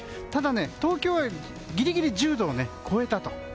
ただ、東京はギリギリ１０度を超えたと。